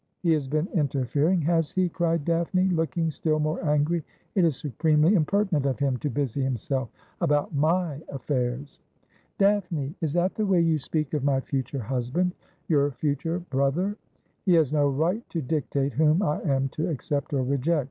he has been interfering, has he?' cried Daphne, looking still more angry. ' It is supremely impertinent of him to busy himself about my afJairs.' ' Daphne ! Is that the way you speak of my future husband — your future brother ?'' He has no right to dictate whom I am to accept or reject.